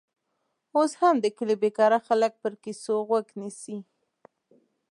اوس هم د کلي بېکاره خلک پر کیسو غوږ نیسي.